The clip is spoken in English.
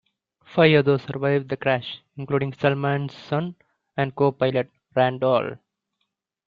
Five others survived the crash including Salmon's son and copilot, Randall.